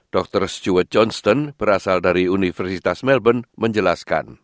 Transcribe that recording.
dr stuart johnston berasal dari universitas melbourne menjelaskan